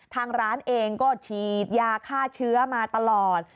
ทางร้านเองก็ฉีดยาฆ่าเชื้อมาตลอด